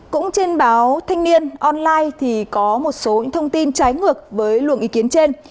cũng trên báo thanh niên online thì có một số thông tin trái ngược với luồng ý kiến trên